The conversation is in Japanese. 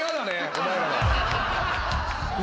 お前らが。